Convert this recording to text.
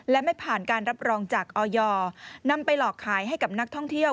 และไม่ผ่านการรับรองจากออยนำไปหลอกขายให้กับนักท่องเที่ยว